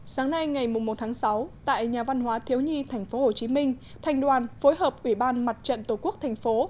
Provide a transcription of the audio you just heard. sáng nay ngày một tháng sáu tại nhà văn hóa thiếu nhi tp hcm thành đoàn phối hợp ủy ban mặt trận tổ quốc thành phố